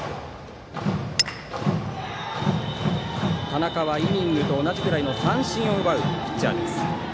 田中はイニングと同じくらいの三振を奪うピッチャーです。